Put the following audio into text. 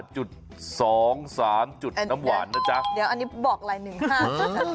จุดสองสามจุดน้ำหวานนะจ๊ะเดี๋ยวอันนี้บอกลายหนึ่งห้า